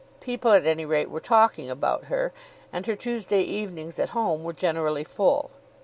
People at any rate were talking about her, and her Tuesday evenings at home were generally full.